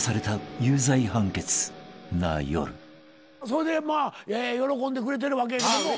それでまあ喜んでくれてるわけやけども。